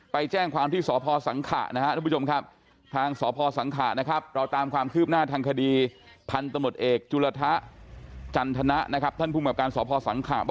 ไปแจ้งความที่ทางสศสังขานะครับเราตามความคืบหน้าทางคทจุลทะจันทณะท่านภุมกรรมการสศบอกว่า